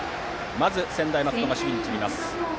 まず専大松戸が守備に散ります。